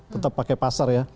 tetap pakai pasar ya